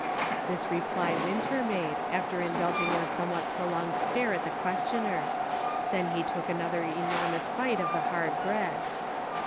This reply Winter made, after indulging in a somewhat prolonged stare at the questioner ; then he took another enormous bite of the hard bread.